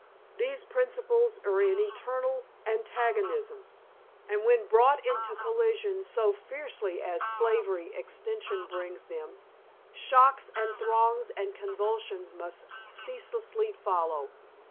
These principles are in eternal antagonism, and when brought into collision so fiercely as slavery extension brings them, shocks and throes and convulsions must ceaselessly follow.